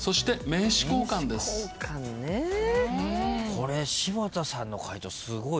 これ柴田さんの解答すごい。